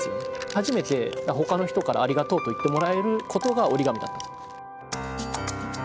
初めてほかの人から「ありがとう」と言ってもらえることが折り紙だった。